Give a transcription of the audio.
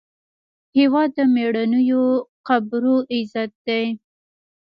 هېواد د میړنیو قبرو عزت دی.